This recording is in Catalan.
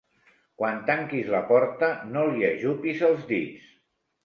Quan tanquis la porta, no li ajupis els dits.